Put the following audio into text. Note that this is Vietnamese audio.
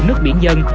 nước biển dân